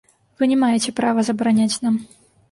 Вы не маеце права забараняць нам.